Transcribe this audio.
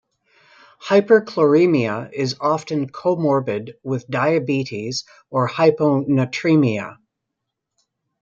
Hyperchloremia is often comorbid with diabetes or hyponatremia.